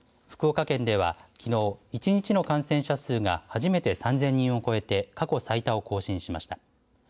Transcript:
福岡県では、きのう１日の感染者数が初めて３０００人を超えて過去最多を更新しました。